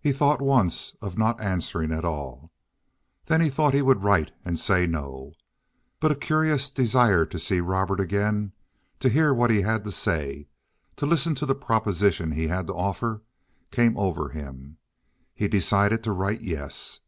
He thought once of not answering at all. Then he thought he would write and say no. But a curious desire to see Robert again, to hear what he had to say, to listen to the proposition he had to offer, came over him; he decided to write yes.